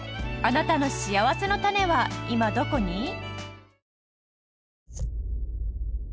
あなたのしあわせのたねは今どこに？